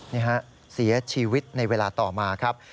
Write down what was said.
นี่ฮะเสียชีวิตในเวลาต่อมาครับ